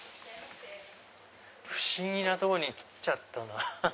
不思議なとこに来ちゃったな。